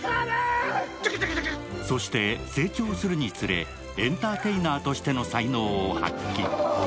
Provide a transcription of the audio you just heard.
そして、成長するにつれエンターテイナーとしての才能を発揮。